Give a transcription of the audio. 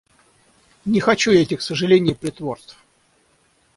Не хочу я этих сожалений и притворств!